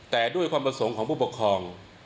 แต่ด้วยความประสงค์ของผู้ปกครอง